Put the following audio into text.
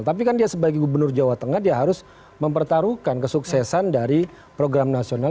tapi kan dia sebagai gubernur jawa tengah dia harus mempertaruhkan kesuksesan dari program nasional